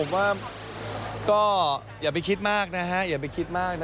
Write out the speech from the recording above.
ผมว่าก็อย่าไปคิดมากนะฮะอย่าไปคิดมากนะ